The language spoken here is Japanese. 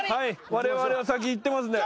われわれは先行ってますんで。